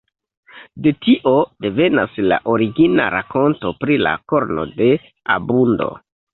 De tio devenas la origina rakonto pri la korno de abundo.